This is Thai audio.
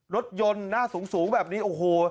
รถยนต์หน้าสูงแบบนี้โอ้โห